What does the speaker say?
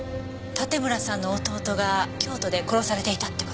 盾村さんの弟が京都で殺されていたって事？